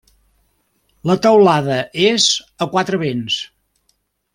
La teulada és a quatre vents.